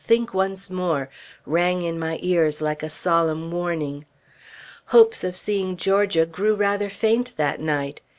Think once more!" rang in my ears like a solemn warning. Hopes of seeing Georgia grew rather faint, that night.